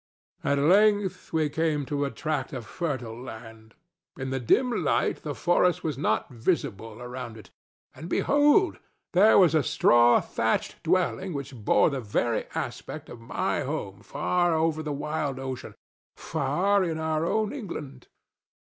At length we came to a tract of fertile land. In the dim light the forest was not visible around it, and, behold, there was a straw thatched dwelling which bore the very aspect of my home far over the wild ocean—far in our own England.